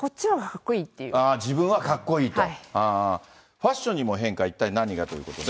ファッションにも変化、一体何がということで。